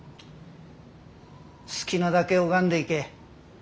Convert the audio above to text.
好きなだけ拝んでいけ。